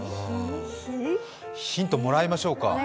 ヒントもらいましょうか。